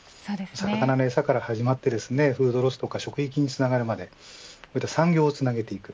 魚のえさから始まってフードロスや食育につながるまで産業をつなげていく。